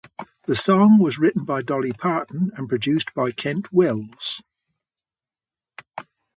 The song was written by Dolly Parton and produced by Kent Wells.